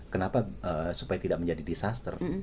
kenapa supaya tidak menjadi disaster